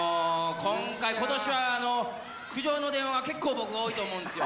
今回、ことしは、苦情の電話、結構、僕、多いと思うんですよ。